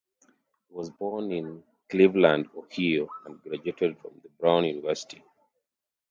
He was born in Cleveland, Ohio, and graduated from Brown University.